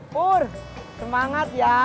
pur semangat ya